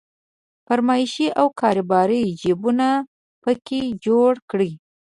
فرمایشي او کاروباري جيبونه په کې جوړ کړي.